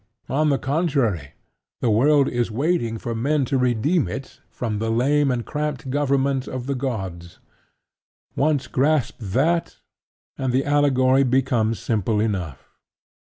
On the contrary, the world is waiting for Man to redeem it from the lame and cramped government of the gods. Once grasp that; and the allegory becomes simple enough.